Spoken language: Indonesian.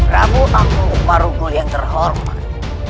ramu aku pak rugal yang terhormat